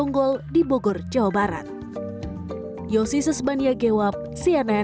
jangan lupa untuk berlangganan di instagram facebook dan twitter